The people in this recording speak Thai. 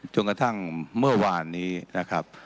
จนกระทั่งเมื่อวานนี้นะครับ